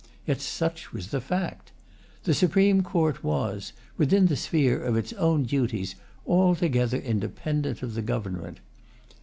Yet such was the fact. The Supreme Court was, within the sphere of its own duties, altogether independent of the Government.